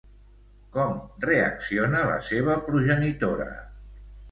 Com reacciona la seva progenitora?